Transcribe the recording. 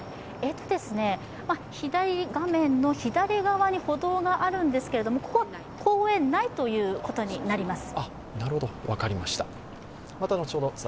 画面の左側に歩道があるんですけれども、ここは公園内ということになります。